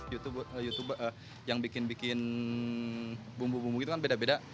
youtube youtube yang bikin bikin bumbu bumbu itu kan beda beda